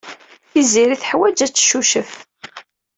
Tiziri teḥwaj ad teccucef.